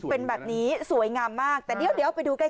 เป็นแบบนี้สวยงามมากแต่เดี๋ยวไปดูใกล้